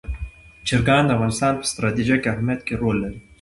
چرګان د افغانستان په ستراتیژیک اهمیت کې رول لري.